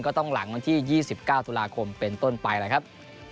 ก็ต้องหลังวันที่๒๙ตุลาคมเป็นต้นไปแล้วครับ